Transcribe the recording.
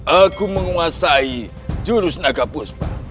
aku menguasai jurus naga puspa